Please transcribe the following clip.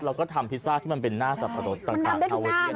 เราก็ทำพิซซ่าที่มันเป็นหน้าสับปะรดต่างทาเวียน